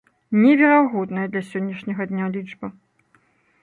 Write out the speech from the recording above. Неверагодная для сённяшняга дня лічба.